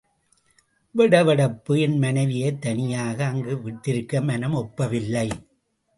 வெட வெடப்பு என் மனைவியைத் தனியாக அங்கு விட்டிருக்க மனம் ஒப்பவில்லை.